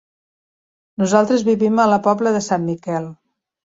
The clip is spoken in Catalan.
Nosaltres vivim a la Pobla de Sant Miquel.